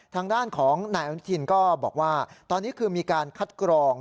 ทางด้านของนายอนุทินก็บอกว่าตอนนี้คือมีการคัดกรอง